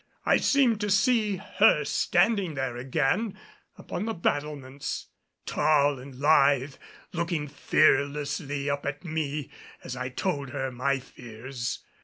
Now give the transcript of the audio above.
I seemed to see her standing there again upon the battlements tall and lithe, looking fearlessly up at me as I told her my fears.